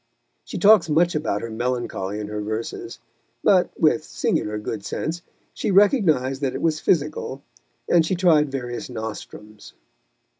She talks much about her melancholy in her verses, but, with singular good sense, she recognised that it was physical, and she tried various nostrums.